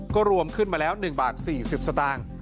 ก็รวมขึ้นมาแล้ว๑บาท๔๐สตางค์